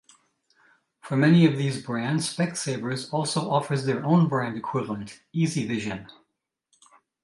For many of these brands, Specsavers also offers their own-brand equivalent Easyvision.